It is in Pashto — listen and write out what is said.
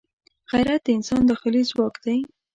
غیرت د انسان داخلي ځواک دی